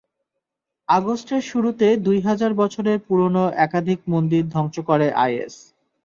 আগস্টের শুরুতে দুই হাজার বছরের পুরোনো একাধিক মন্দির ধ্বংস করে আইএস।